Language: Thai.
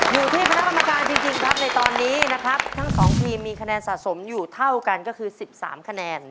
อยู่ที่คณะกรรมการจริงครับในตอนนี้นะครับทั้งสองทีมมีคะแนนสะสมอยู่เท่ากันก็คือ๑๓คะแนน